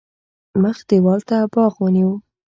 مخ دېوال ته باغ ونیو.